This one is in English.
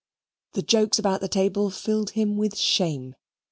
The jokes about the table filled him with shame.